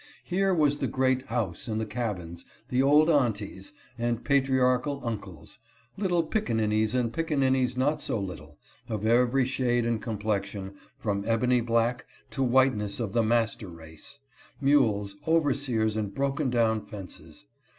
Here was the great house and the cabins, the old Aunties, and patriarchal Uncles, little picannin ies and picanninies not so little, of every shade of complexion, from ebony black to whiteness of the master race ; mules, overseers, and broken down fences.